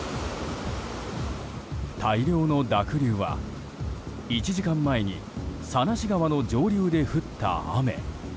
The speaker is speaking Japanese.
大量の濁流は、１時間前に佐梨川の上流で降った雨。